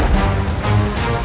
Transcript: tak ada moral